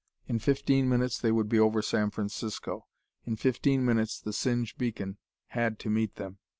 In fifteen minutes they would be over San Francisco. In fifteen minutes the Singe beacon had to meet them.